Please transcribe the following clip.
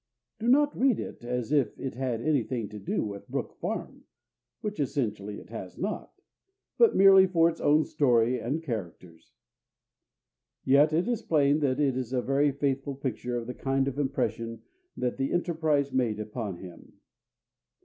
"Do not read it as if it had anything to do with Brook Farm [which essentially it has not], but merely for its own story and characters," yet it is plain that it is a very faithful picture of the kind of impression that the enterprise made upon him.